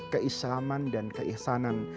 keislaman dan keikhsanan